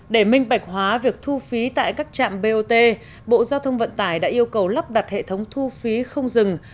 để minh bạch hóa việc thu phí tại các trạm bot bộ giao thông vận tải đã yêu cầu lắp đặt hệ thống thu phí không dừng